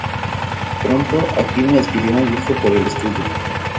Pronto Hakim adquirió un gusto por el estudio.